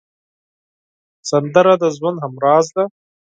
سندره د ژوند همراز ده